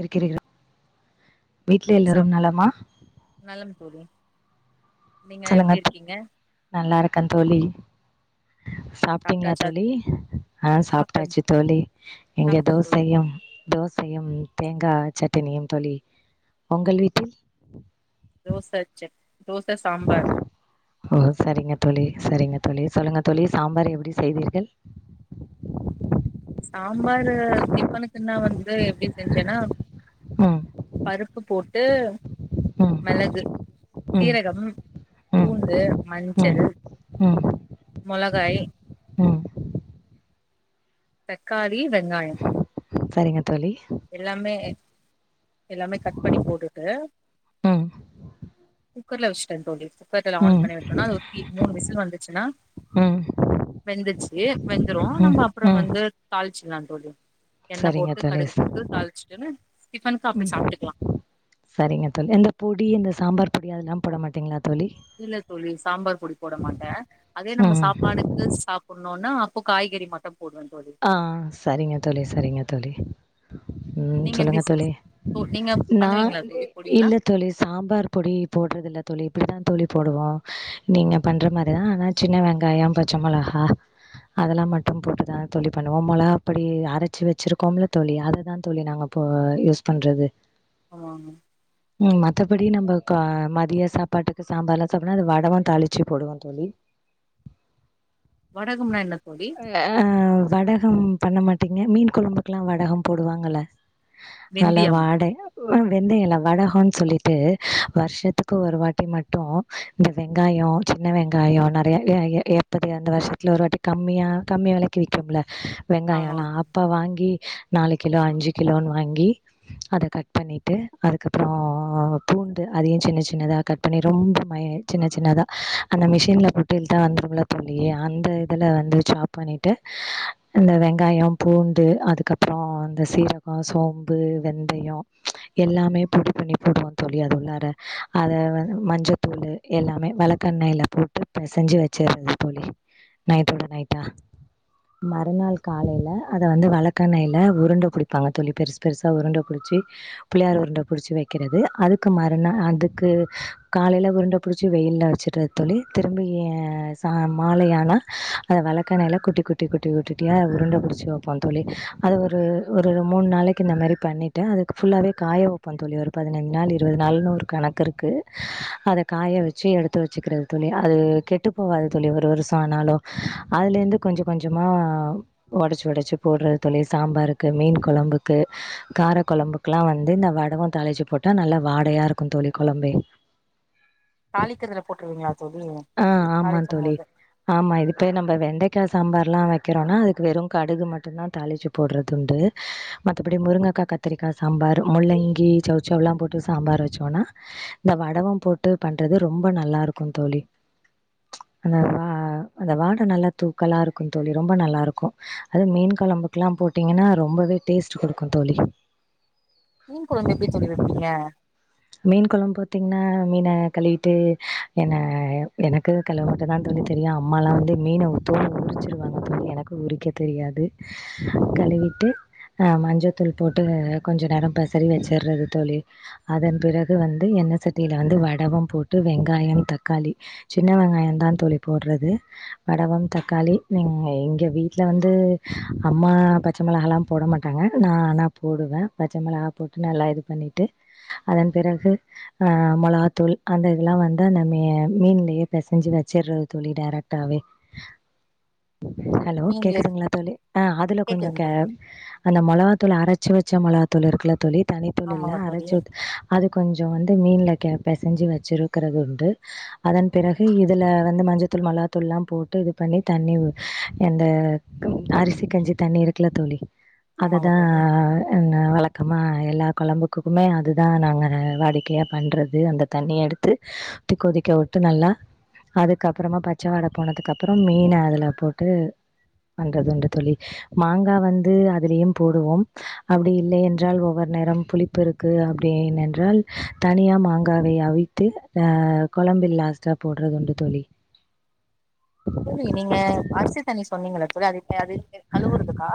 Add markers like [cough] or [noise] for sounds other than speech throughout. இருக்கீர் வீட்ல தோழி சாப் எல்லாரும் நலமா நலம் தோழி நீங்க சொல்லுங்க எப்டி இருக்கீங்க நல்லா இருக்க தோழி சாப்ட்டீங்களா சாப்ட்டாச்சா தோழி ஆ சாப்ட்ட சாப்ட்டாச்சு தோழி இங்க சாப்ட்டன் தோழி தோசயும் தோசையும் தேங்காய் சட்னியும் தோழி உங்கள் வீட்டில் தோச சட் தோச சாம்பார் ஓ செரிங்க தோழி செரிங்க தோழி சொல்லுங்க தோழி சாம்பார் எப்டி செய்வீர்கள் சாம்பாரு டிஃபனுக்குன்னா வந்து எப்டி செஞ்சேன்னா ம் பருப்பு போட்டு ம், மெளகு ம், சீரகம் ம், பூண்டு ம், ம், மஞ்சள் ம். மொளகாய் தக்காளி வெங்காயம் சரிங்க தோழி எல்லாமே எல்லாமே கட் பண்ணி போட்டுட்டு ம் குக்கர்ல வச்சுட்ட தோழி குக்கர்ல ஆன் ம், பண்ணி விட்டோனா அது மூணு விசில் வந்துச்சுனா ம், வெந்துச்சு வெந்துரு ம், நம்ம அப்புறோ ம். வந்து தாளிச்சிடலாம் தோழி எண்ணெய் சரிங்க போட்டு தோழி. கடுகு போட்டு தாளிச்சிட்டுனு டிஃபனுக்கு அப்டே ம். சாப்ட்டுக்கலாம் சரிங்க தோழி இந்த பொடி இந்த சாம்பார் பொடி அதெல்லாம் போட மாட்டிங்களா தோழி இல்ல தோழி சாம்பார் பொடி போட மாட்டேன் அதே நம்ம ம். சாப்பாடுக் லெஸ் சாப்பட்ணும்னா அப்போ காய்கறி மட்டும் போடுவேன் தோழி ஆ சரிங்க தோழி சரிங்க தோழி ம் நீங்க சொல்லுங்க எப்டி சிஸ் தோழி தோ நீங்க நான் பண்ணுவீங்களா தோழி பொடிலா இல்ல தோழி சாம்பார் பொடி போடுறதில்லை தோழி இப்டி தான் தோழி போடுவோம் நீங்க பண்ற மாரி தான் ஆனா சின்ன வெங்காயம் பச்சை மிளாக அதெல்லாம் மட்டும் போட்டுதான் தோழி பண்ணுவோம் மொளகாப் பொடி அரைச்சு வச்சுருக்கோம்ள தோழி அத தான் தோழி நாங்க இப்ப யூஸ் பண்றது ஆ ம் மத்தபடி நம்ம கா மதியம் சாப்பாட்டுக்கு சாம்பார்லாம் சாப்பிடா அது வடவும் தாளித்து போடுவோம் தோழி வடகம்னா என்ன தோழி அ வடகம் பண்ண மாட்டீங்க மீன் குழம்புக்கெல்லாம் வடகம் போடுவாங்கல்ல நல்ல வெந்தியம் வாடயா வெந்தயம் இல்ல வடகன்னு சொல்லிட்டு வருஷத்துக்கு ஒரு வாட்டி மட்டும் இந்த வெங்காயம் சின்ன வெங்காயம் நிறைய ஏற்பது அந்த வருஷத்துல ஒரு வாட்டி கம்மியா கம்மியா விலக்கி விக்கும்ல வெங்காயம் ஆமாங்க எல்லா தோழி அப்ப வாங்கி நாலு கிலோ அஞ்சு கிலோனு வாங்கி அத கட் பண்ணிட்டு அதுக்கப்பறோ பூண்டு அதையும் சின்ன சின்னதா கட் பண்ணி ரொம்ப மய் சின்ன சின்னதா அந்த மிஷின்ல போட்டு இழுத்தா வந்துரும்ல தோழி அந்த இதுல வந்து சாப் பண்ணிட்டு இந்த வெங்காயம் பூண்டு அதுக்கப்பறோ இந்த சீரகம் சோம்பு வெந்தயோ எல்லாமே பொடி பண்ணி போடுவோம் தோழி அது உள்ளார அத மஞ்சத்தூள் எல்லாமே விளக்கெண்ணெய் போட்டு பெசஞ்சு வச்சடுறது தோழி நைட்டோட நைட்டா மறுநாள் காலையில அத வந்து வெளக்கெண்ணையில உருண்டை புடிப்பாங்க தோழி பெருசு பெருசாக உருண்ட புடுச்சி புள்ளயார் உருண்ட புடிச்சு வைக்கிறது அதுக்கு மறுநாள் அதுக்கு காலையில உருண்ட புடிச்சி வெயில்ல வச்சுடுறது தோழி திரும்பி சா மாலையானா அத வெளக்கென்னைல குட்டி குட்டி ட்டி குட்டி குட்டியா உருண்டை புடிச்சு வைப்போம் தோழி அது ஒரு ஒரு மூணு நாளைக்கு இந்த மாரி பண்ணி ட்ட அதுக்கு ஃபுல்லாவே காய வைப்போம் தோழி ஒரு பதினைந்து நாள் இருவது நாள் கணக்கு இருக்கு காய வச்சு எடுத்து வச்சுக்கிறது தோழி அது கெட்டு போகாது தோழி ஒரு வருஷம் ஆனாலு அதுலேருந்து கொஞ்சம் கொஞ்சமா உடச்சு உடச்சு போடுறது தோழி சாம்பாருக்கு மீன் குழம்புக்கு கார குழம்பு குலா வந்து இந்த வடவம் தழிச்சு போட்டா நல்லா வாடையா இருக்கும் தோழி குழம்பே தாளிக்கரதுல போட்டுருவீங்களா தோழி ஆ ஆமா தாளிக்கும் தோழி. போதே ஆமா இதுப்போய் நம்ம வெண்டைக்காய் சாம்பார்லாம் வைக்கிறோம்னா அதுக்கு வெறும் கடுகு மட்டும் தான் தாளிச்சு போடுறது உண்டு மத்தபடி முருங்கக்காய் கத் கத்திரிக்காய் சாம்பார் முள்ளங்கி சௌச்சவ்லாம் போட்டு சாம்பார் வச்சோம்ன்னா இந்த வடவம் போட்டு பண்றது ரொம்ப நல்லா இருக்கும் தோழி ஆனா அந்த வாட நல்லா தூக் க்கலா இருக்கும் தோழி ரொம்ப நல்லா இருக்கும் அது மீன் குழம்புக்கெல்லாம் போட்டீங்கன்னா ரொம்பவே டேஸ்ட் குடுக்கும் தோழி மீன் குழம்பு எப்டி தோழி வைப்பீங்க மீன் குளம் பார்த்தீங்கன்னா மீன கழிவிட்டு என்ன எனக்கு கழமட்டும் தான் தோழி தெரியும் அம்மாலாம் வந்து மீன தோல உரிச்சடுவாங்க தோழி எனக்கு உரிக்க தெரியாது கழுவிட்டு ஆ மஞ்சத்தூள் போட்டு கொஞ்ச நேர பசறி வச்சர்றது தோழி அத பிறகு வந்து எண்ணெய் சட்டியில வந்து வடவும் போட்டு வெங்காயம் தக்காளி சின்ன வெங்காயம் தா தோழி போட்றது வடவம் தக்காளி எங்க வீட்ல வந்து அம்மா பச்ச மொளகல்லாம் போட மாட்டாங்க நா ஆனா போடுவே பச்ச மிளகா போட்டு நல்லா இது பண்ணிட்டு அதன் பிறகு ஆ மொளகாத்தூள் அந்த இதல்லா வந்து நம்ம மீன்லே பசஞ்சு வச்சுர்றது தோழி டரெக் ட்டாவே [unintelligible] ஹலோ நீங்களே கேக்குதுங்ளா தோழி ஆ அதுல கொஞ்சோ கேக்குதுங்க கே தோழி அந்த மொளகாதூள் அரச்சு வச்ச மொளகாதூள் இருக்குல்ல தோழி தனித்தூள் இல்ல ஆமாங்க தோழி அரச்ச அது கொஞ்சோ வந்து மீன்ல கேப் பெசஞ்சு வச்சிருக்கறது உண்டு அதன் பிறகு இதுல வந்து மஞ்சத்தூள் மொளகாத்தூள்லா போட்டு இது பண்ணி தண்ணி ஊத் இந்த அரிசி கஞ்சி தண்ணி இருக்குல தோழி ஆமாங்க அததா தோழி என்ன வழக்கமா எல்லா கொழம்புக்குக்குமே அது தா நாங்க வாடிக்கையா பண்றது அந்த தண்ணிய எடுத்து கொதிக்க உட்டு நல்லா அதுக்கப்புறமா பச்சவாட போனதுக்கப்புறோ மீன அதுல போட்டு பண்றது உண்டு தோழி மாங்கா வந்து அதுலியும் போடுவோம் அப்டி இல்லை என்றால் ஒவ்வொர் நேரம் புளிப்பு இருக்கு அப் டி ஏனென்றால் தனியா மாங்காவை அவித்து அ கொழம்பில் லாஸ்டா போட்றதுண்டு தோழி தோழி நீங்க அரிசி தண்ணி சொன்னீங்கள தோழி அது அ கழுவுறதுக்கா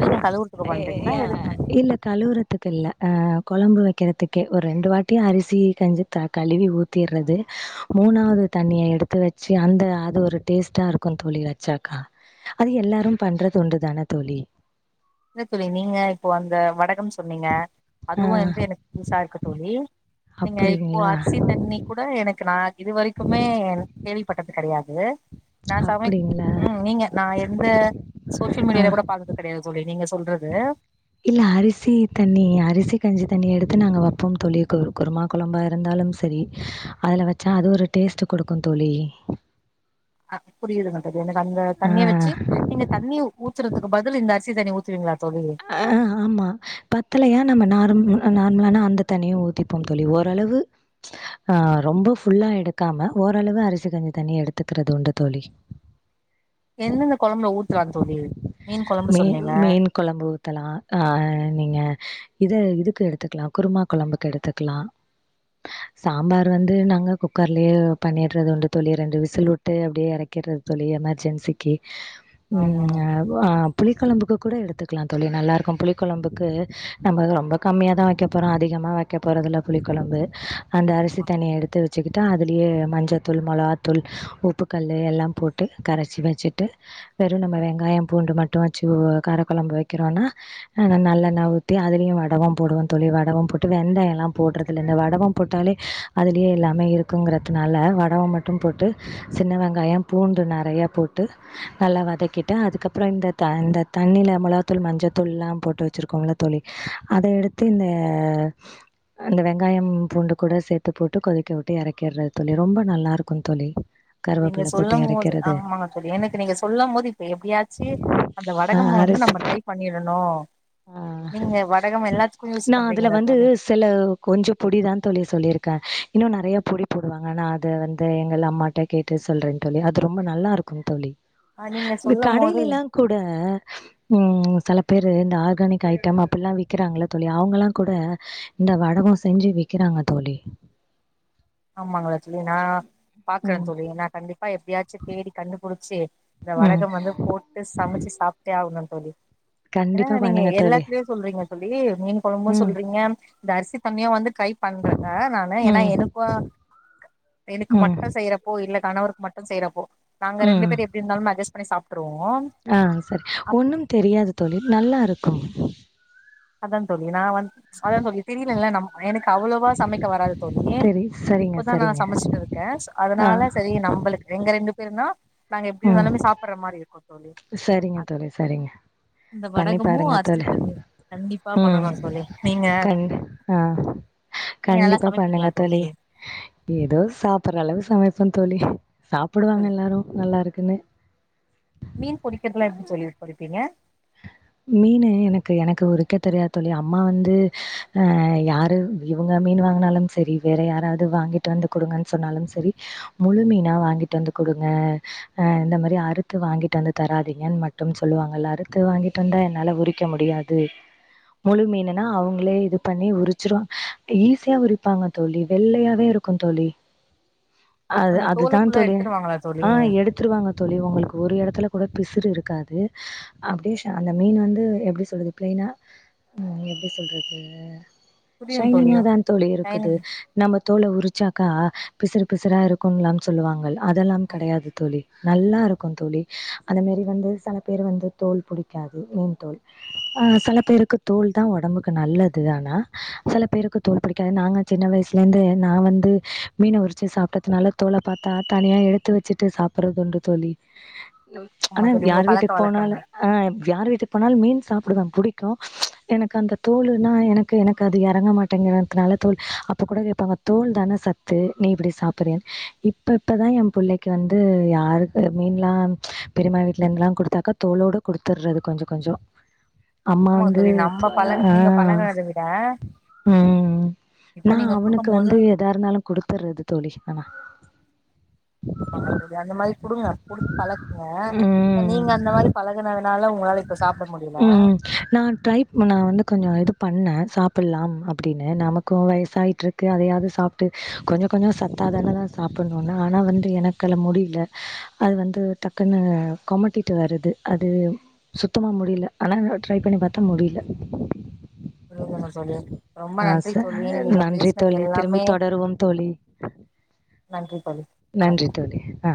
மீன கழுவுறதுக்கு எ பண்றிங்ளா ய எதுக்கு மேம் இல்ல கழுவுறதுக் கில்ல கொழம்பு வைக்கிறதுக்கே ஒரு ரெண்டு வாட்டி அரிசி கஞ்சி க கழுவி ஊத் தீறது மூணாவது தண்ணிய எடுத்து வச்சி அந்த அது ஒரு டேஸ்ட்டா இருக்கு தோழி வச்சாக்கா அது எல்லாரும் பண்றது ஒன்று தானே தோழி இல்ல தோழி நீங்க இப்போ அந்த வடகம் சொன்னீங்க ஆ அதுவு வந்து எனக்கு புதுசா இருக்கு தோழி நீங்க இப்போ அப்படிங்களா? அரிசி தண்ணி கூட எனக்கு நா இது வரைக்குமே கேள்விப்பட்டது கெடையாது நா சமைக் அப்படிங்களா? ம் நீங்க நா எந்த சோசியல் ஆ. மீடியால கூட பார்த்தது கெடையாது தோழி நீங்க சொல்றது இல்ல அரிசி தண்ணி அரிசி கஞ்சி தண்ணிய எடுத்து நாங்க வப்போம் தோழி கொ குருமா கைழம்பா இருந்தாலும் செரி அதுல வச்சா அது ஒரு டேஸ்ட்டு குடுக்கும் தோழி அ புரியுதுங்கது தோழி எனக்கு அந்த ஆ. தண்ணிய வச்சு நீங்க தண்ணி ஊத்துரத்துக்கு பதில் இந்த அரிசி தண்ணி ஊத்துவிங்ளா தோழி ஆ ஆமா பத்தலையா நம்ம நார் நார்மலான அந்த தண்ணியு ஊத்திப்போம் தோழி ஓரளவு ஆ ரொம்ப ஃபுல்லா எடுக்காம ஓரளவு அரிசி கஞ்சி தண்ணி எடுத்துக்கிறது உண்டு தோழி எந்தெந்த கொழம்புல ஊத்தலா தோழி மீன் கொழம்பு மீ சொன்னீங்க மீன் கொழம்பு ஊத்தலா அ நீங்க இத இதுக்கு எடுத்துக்லா குருமா கொழம்புக்கு எடுத்துக்லா சாம்பார் வந்து நாங்க குக்கர்லே பண்ணிறதுண்டு தோழி ரெண்டு விசில் ட்டு அப்டியே இறக்கிறது தோழி எமர்ஜென்சிக்கு [unintelligible] ம் தோழி அ அ புளிக் கொழம்புக்கு கூட எடுத்து க்லா தோழி நல்லா இருக்கு புளி கொழம்புக்கு நம்ம ரொம்ப கம்மியா தா வைக்க போரோ அதிகமா வெக்க போறதுல்ல புளிக் கொழம்பு அந்த அரிசி தண்ணிய எடுத்து வெச்சுக்கிட்டா அதுலயே மஞ்சள்த்தூள் மொளகாத்தூள் உப்புக்கல்லு எல்லா போட்டு கரச்சி வச்சிட்டு வெறு நம்ம வெங்காயோ பூண்டு மட்டு வச்சு ஒ காரக்கொழம்பு வெக்கறோன்னா அ நல்லெண்ண ஊத்தி அதுலயு வடவோ போடுவ தோழி வடவோ போட்டு வெந்தை எல்லா போடுறதுல்ல இந்த வடவோ போட்டாலே அதுலயே எல்லாமே இருக்குங்கிறதுனால வடவோ மட்டு போட்டு சின்ன வெங்காயம் பூண்டு நறைய போட்டு நல்லா வதக்கிட்டு அதுக்கப்பறோ இந்த த இந்த தண்ணீல மொளகா தூள் மஞ்சத்தூள்லா போட்டு வச்சிருக்கோம்யில்ல தோழி அத எடுத்து இந்த அந்த வெங்காயம் பூண்டு கூட சேத்து போட்டு கொதிக்க உட்டு எறக்கிர்ற தோழி ரொம்ப நல்லா இருக்கு தோழி நீங்க கருவேப்பிலை போட்டு சொல்லும்போது இறக்கிறது ஆமாங்க தோழி எனக்கு நீங்க சொல்லம்போது இப்ப எப்படியாச்சு அந்த வடகம்ம வந்து அரிசி நம்ம தை பண்ணிரனு ஆ நீங்க வடகம் எல்லாத்துக்கு யூஸ் நா அதுல பண்ணுவீங்களா வந்து தோழி சில கொஞ்ச பொடி தா தோழி சொல்லியிருக்க இன்னு நறையா பொடி போடுவாங்க அனா அது வந்து எங்கள் அம்மாட்ட கேட்டு சொல்றே தோழி அது ரொம்ப நல்லா இருக்கு தோழி ஆ நீங்க இந்த சொல்லும் போது கடையிலல்லா கூட ம் செல பேரு இந்த ஆர்கானிக் ஐட்டம் அப்டிலா விக்கறாங்கல்ல தோழி அவங்கலா கூட இந்த வடகோ செஞ்சு விக்கறாங்க தோழி ஆமாங்க [unintelligible] நா பாக்கற ம் தோழி நா கண்டிப்பா எப்படியாச்சு தேடி கண்டுபுடிச்சு இந்த ம் வடகம் வந்து போட்டு சமைச்சு சாப்ட்டே ஆகணு தோழி கண்டிப்பா என்னங்க நீங்க பண்ணுங்க தோழி எல்லாதுலயு சொல்றீங்க தோழி மீன் கொழம்பு ம் சொல்றீங்க இந்த அரிசி கம்யா வந்து கை பண்ற அ நானு ஏன்னா ம் எனுக்கு எனக்கு ம் மட்டு செய்றப்போ இல்ல கணவருக்கு மட்டு செய்றப்போ நாங்க ரெண்டு ம் பேர் எப்டி இருந்தாலும் அட்ஜஸ்ட் பண்ணி சாப்ட்ருவோ ஆ செரி ஒன்னும் தெரியாது தோழி நல்லா இருக்கு அதா தோழி நா வந்து அதா தோழி தெரிலல்ல நம் எனக்கு அவ்ளவா சமைக்க வராது தோழி தெரி சரிங்க இப்பதா நா சரிங்க சமைச்சிட்டு இருக்க ஆ அதனால சரி நம்பளு எங்க ரெண்டு பேரு தா நாங்க எப்டி வேனாலுமே சாப்படுற மாரி இருக்கு செரிங்க தோழி செரிங்க இந்த பண்ணி வடகமு பாருங்க தோழ அரிசி தண்ணியு கண்டிப்பா ம் பண்ணனு தோழி நீங்க கண்ணு அ நீங்க நல்லா கண்டிப்பா சமைப்பீங்களா பண்ணுங்க தோழி ஏதோ சாப்பற அளவு சமைப்ப தோழி சாப்படுவாங்க எல்லாரு நல்லா இருக்குன்னு மீன் புடிக்கறதலா எப்டி புடிப்பீங்க மீனு எனக்கு எனக்கு உரிக்க தெரியாது தோழி அம்மா வந்து அ யாரு இவுங்க மீன் வாங்குனாலும் செரி வேற யாராவது வாங்கிட்டு வந்து குடுங்கன் சொன்னாலும் செரி முழு மீனா வாங்கிட்டு வந்து குடுங்க அ இந்த மாரி அறுத்து வாங்கிட்டு வந்து தராதிங்கன்னு மட்டும் சொல்லுவாங்கல்ல அறுத்து வாங்கிட் டுவந்தா என்னால உரிக்க முடியாது முழு மீனுன்னா அவுங்களே இது பண்ணி உரிச்சிரு ஈஸியா உரிப்பாங்க தோழி வெள்ளையாவே இருக்கு தோழி அது அந்த தோல புல்லா எடுத்துருவாங்களா தோழி த்துருவாங்க தோழி உங்களுக்கு ஒரு எடத்துல கூட பிசுறு இருக்காது அப்டியே அந்த மீன் வந்து எப்டி சொல்றது பிளைன்னா எப்டி சொல்றது புரியு தோழி சைனிங்கா தா தோழி இருக்குது டைமிங் நம்ம தோல உரிச்சாக்கா பிசுறு பிசறு இருக்கும்லான் சொல்லுவாங்கள் அதல்லாம் கடையாது தோழி நல்லா இருக்கு தோழி அந்த மாரி வந்து செல பேரு வந்து தோல் புடி க்காது மீன் தோல் ஆ சில பேருக்கு தோல் தா ஒடம்புக்கு நல்லது ஆனா சில பேருக்கு தோல் பிடிக்காது நாங்க சின்ன வயசுலருந்தே நா வந்து மீன உரிச்சு சாப்ட்டதுனால தோல பாத்தா தனியா எடு எடுத்து வச்சிட்டு சாப்பிடுறதுண்டு தோழி ம் ஆனா யார் வீட்டு போனாலு அ யார் வீட்டுக் போனாலு மீன் சாப்டுவ புடிக்கு எனக்கு அந்த தோல்லுன்னா எனக்கு எனக்கு அது எறங்க மாட் [unintelligible] தோல் அப்ப கூட கேப்பாங்க தோல் தான சத்து நீ இப்டி சாப்பறே இப்ப இப்ப தா என் புள்ளைக்கு வந்து யாரு மீன்லா பெரிமா வீட்ல இந்துலா குடுத்தாக்கா தோலோடு குடுத் துர்றது கொஞ்ச கொஞ்சோ அம்மா ஆமாங்க வந்து தோழி நம்ம பழக அ நீங்க பழகுனத விட ம் இப்ப நா நீங்க அவனுக்கு குடுக்கும் போது வந்து எதா இருந்தாலு குடுத்துறது தோழி ஆனா ஆமா தோழி அந்த மாரி குடுங்க குடுத்து பழக்குங்க இப்ப ம் நீங்க அந்த மாரி பழகனதனால உங்களால இப்ப சாப்ட முடில நா ட்ரைப் ம் நா வந்து கொஞ்சோ இது பண்ண சாப்பிட்லாம் அப்டின்னு நமக்கு வயசாயிட்ருக் க்கு அதையாவது சாப்ட்டு கொஞ்சோ கொஞ்சோ சத்தாதானதா சாப்புட்னுன்னு ஆனா வந்து எனக்கு அது முடில அது வந்து டக்குன்னு கொமட்டிட்டு வருது அது சுத்தமா முடில ஆனா நா ட்ரை பண்ணி பாத்த முடில சொல்லுங்க தோழி ரொம்ப ஆ நன்றி சே தோழி நீங்க நன்றி பேசினது தோழி எல்லாமே திரும்பியு தொடருவோ தோழி நன்றி தோழி வணக்கம் நன்றி தோழி ஆ